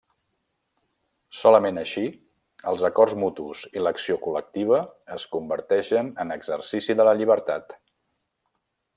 Solament així, els acords mutus i l'acció col·lectiva es converteixen en exercici de la llibertat.